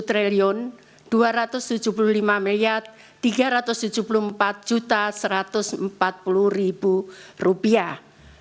satu triliun dua ratus tujuh puluh lima tiga ratus tujuh puluh empat juta satu ratus empat puluh rupiah